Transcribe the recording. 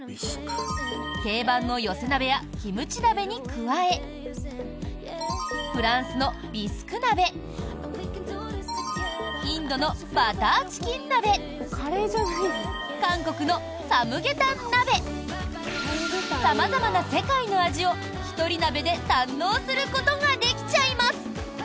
定番の寄せ鍋やキムチ鍋に加えフランスのビスク鍋インドのバターチキン鍋韓国のサムゲタン鍋様々な世界の味をひとり鍋で堪能することができちゃいます。